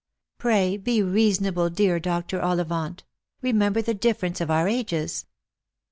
Pray be reasonable, dear Dr. Ollivant; remember the difference of our ages."